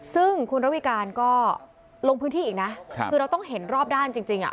ซึ่งคุณระวิการก็ลงพื้นที่อีกนะคือเราต้องเห็นรอบด้านจริง